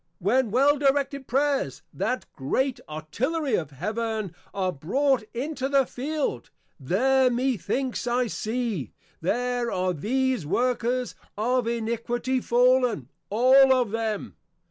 When well directed Prayers, that great Artillery of Heaven, are brought into the Field, There methinks I see, _There are these workers of Iniquity fallen, all of them!